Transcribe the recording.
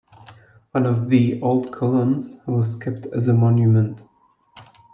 One of the old columns was kept as a monument.